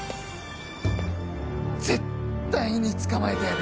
絶対に捕まえてやる